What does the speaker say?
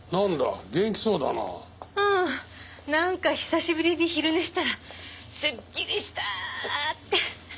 なんか久しぶりに昼寝したらすっきりしたー！って。